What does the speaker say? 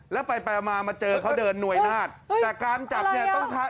แล้วไปไปมามาเจอเขาเดินหน่วยนาฏแต่การจับเนี่ยต้องค้า